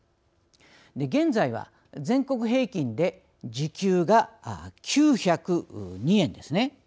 現在は全国平均で時給が９０２円ですね。